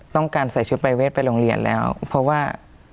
ต้องการใส่ชุดปรายเวทไปโรงเรียนแล้วเพราะว่า